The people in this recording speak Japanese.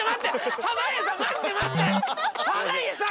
濱家さん！